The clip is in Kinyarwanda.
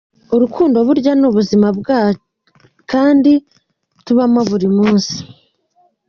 Urukundo burya ni ubuzima kandi ni ubuzima bwacu tubamo umunsi ku munsi.